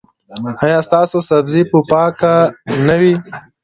ایا ستاسو سبزي به پاکه نه وي؟